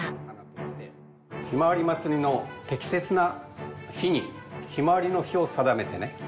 ひまわりまつりの適切な日に「ひまわりの日」を定めてね